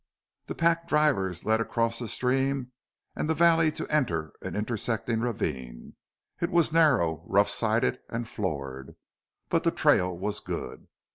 The pack drivers led across the stream and the valley to enter an intersecting ravine. It was narrow, rough sided, and floored, but the trail was good.